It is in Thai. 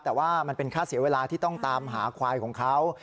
แต่ว่ามันเป็นค่าเสียเวลาที่ต้องตามหาควายของเขา